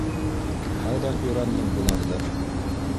Ҡайҙан өйрәндең быларҙы?